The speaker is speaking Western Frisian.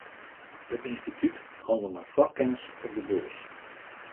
It ynstitút hannele mei foarkennis op 'e beurs.